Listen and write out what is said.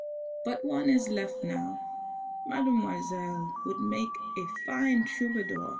"But one is left now; mademoiselle would make a fine troubadour."